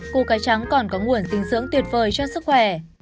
củ cải trắng còn có nguồn dinh dưỡng tuyệt vời cho sức khỏe